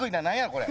これ。